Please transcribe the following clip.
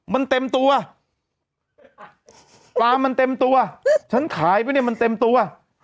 มันเต็มตัวปลามันเต็มตัวฉันขายไปเนี่ยมันเต็มตัว